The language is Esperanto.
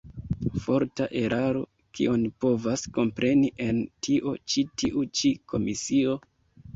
Forta eraro: kion povas kompreni en tio ĉi tiu ĉi komisio?